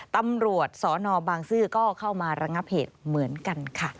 ตำรวจสนบางซื่อก็เข้ามาระงับเหตุเหมือนกันค่ะ